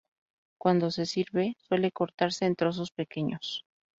Cuando se sirve, suele cortarse en trozos pequeños.